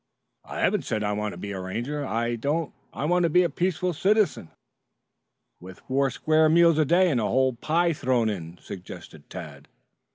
"I haven't said I wanted to be a Ranger. I don't. I want to be a peaceful citizen." "With four square meals a day and a whole pie thrown in," suggested Tad.